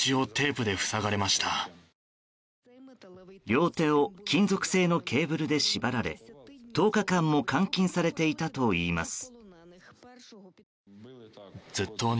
両手を金属製のケーブルで縛られ１０日間も監禁されていたといいます。